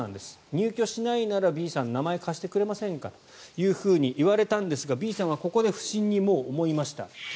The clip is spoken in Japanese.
入居しないならＢさん名前貸してくれませんかと言われたんですが、Ｂさんはもうここで不審に思いました。